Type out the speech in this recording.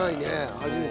初めて。